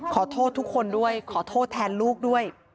ขอโทษทุกคนด้วยขอโทษแทนลูกด้วย